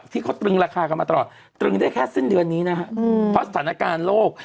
ตรึงราคากันมาตลอดตรึงได้แค่สิ้นเดือนนี้นะฮะเพราะสถานการณ์โลก